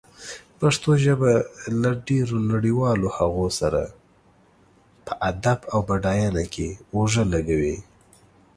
پښتو ژبه له ډېرو نړيوالو هغو سره په ادب او بډاینه کې اوږه لږوي.